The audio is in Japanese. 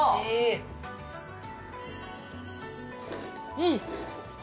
うん！